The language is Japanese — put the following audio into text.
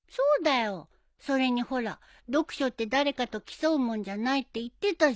それにほら読書って誰かと競うもんじゃないって言ってたじゃん。